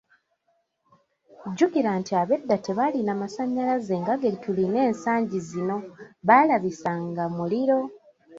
Jjukira nti ab’edda tebaalina masannyalaze nga ge tulina ensangi zino, baalabisanga muliro.